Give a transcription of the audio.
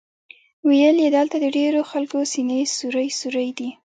ویل یې دلته د ډېرو خلکو سینې سوري سوري دي.